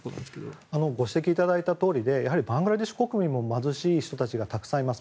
ご指摘いただいたとおりバングラデシュ国民も貧しい人たちがたくさんいます。